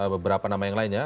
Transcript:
beberapa nama yang lain ya